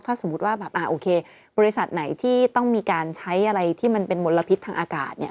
ถ้าสมมุติว่าแบบโอเคบริษัทไหนที่ต้องมีการใช้อะไรที่มันเป็นมลพิษทางอากาศเนี่ย